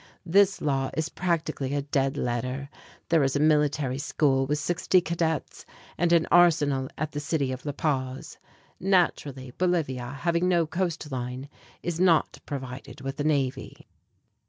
This law is practically a dead letter. There is a military school with sixty cadets and an arsenal at the city of La Paz. Naturally Bolivia, having no coast line, is not provided with a navy.